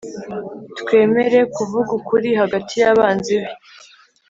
twemere kuvuga ukuri hagati y'abanzi be;